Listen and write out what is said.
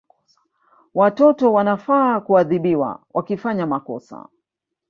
Watoto wanafaa kuadhibiwa wakifanya makosa